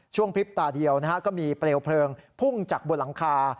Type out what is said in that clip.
พริบตาเดียวก็มีเปลวเพลิงพุ่งจากบนหลังคา